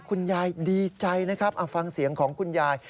คุณยายดีใจนะครับเอาฟังเสียงของคุณยาย